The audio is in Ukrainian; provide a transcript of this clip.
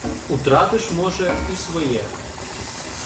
Утратиш, може, і своє.